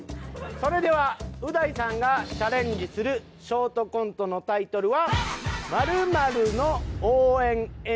それではう大さんがチャレンジするショートコントのタイトルは。